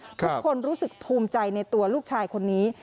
ทุกคนรู้สึกภูมิใจในตัวลูกชายคนนี้